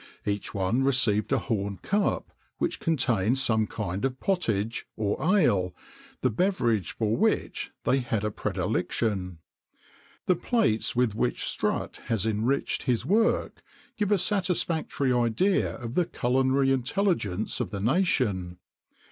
Each one received a horn cup, which contained some kind of pottage, or ale the beverage for which they had a predilection.[XXIX 75] The plates with which Strutt has enriched his work give a satisfactory idea of the culinary intelligence of the nation.